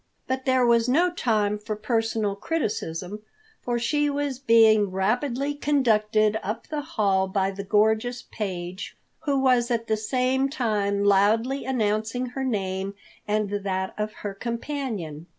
But there was no time for personal criticism, for she was being rapidly conducted up the hall by the gorgeous page, who was at the same time loudly announcing her name and that of her companion.